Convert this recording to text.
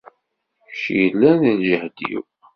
Kečč yellan d lǧehd-iw.